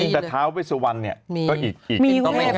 แต่ท้าเวสวรรณเนี่ยก็อีก